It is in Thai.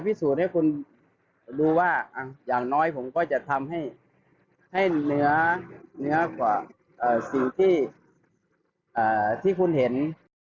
พิสูจน์ให้คุณรู้ว่าอย่างน้อยผมก็จะทำให้เหนือกว่าสิ่งที่คุณเห็น